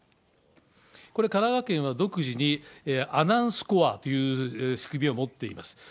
これ、神奈川県は独自に、阿南スコアという、仕組みを持っています。